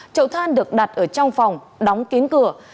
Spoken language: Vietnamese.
trậu than được đặt ở trong phòng đóng kín cửa